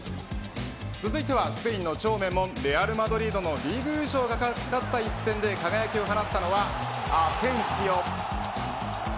続いてはスペインの超名門レアルマドリードのリーグ優勝が懸かった一戦で輝きを放ったのはアセンシオ。